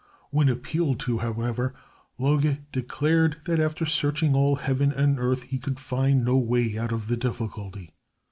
When appealed to, however, Loge declared that after searching all heaven and earth, he could find no way out of the difficulty.